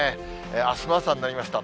あすの朝になりました。